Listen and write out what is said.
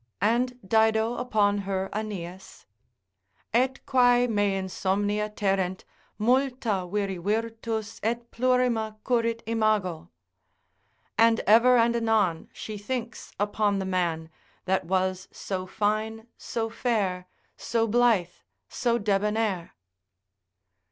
And Dido upon her Aeneas; ———et quae me insomnia terrent, Multa viri virtus, et plurima currit imago. And ever and anon she thinks upon the man That was so fine, so fair, so blithe, so debonair.